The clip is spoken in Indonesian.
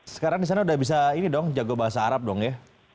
sekarang di sana udah bisa ini dong jago bahasa arab dong ya